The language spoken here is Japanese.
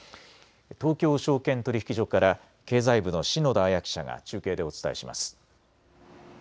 東京証券取引所から経済部の篠田彩記者が中継でお伝えします。